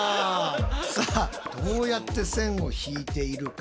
さあどうやって線を引いているか。